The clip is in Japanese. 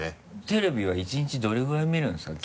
テレビは１日どれぐらい見るんですか？